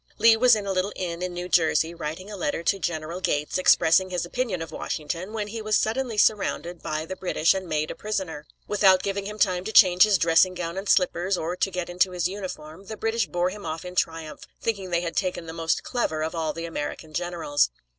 Lee was in a little inn in New Jersey, writing a letter to General Gates expressing his opinion of Washington, when he was suddenly surrounded by the British and made a prisoner. Without giving him time to change his dressing gown and slippers, or get into his uniform, the British bore him off in triumph, thinking they had taken the most clever of all the American generals.